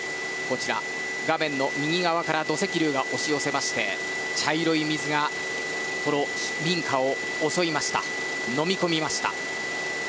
画面の右側から土石流が押し寄せまして茶色い水が民家を襲いのみ込みました。